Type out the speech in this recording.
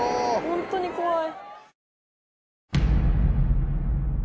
ホントに怖い。